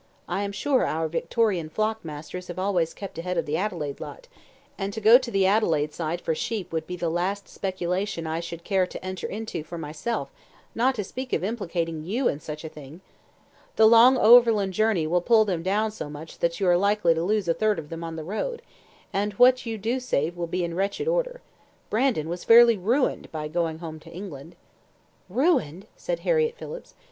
I am sure our Victorian flock masters have always kept ahead of the Adelaide lot; and to go to the Adelaide side for sheep would be the last speculation I should care to enter into for myself, not to speak of implicating you in such a thing. The long overland journey will pull them down so much that you are likely to lose a third of them on the road, and what you do save will be in wretched order. Brandon was fairly ruined by going home to England." "Ruined!" said Harriett Phillips.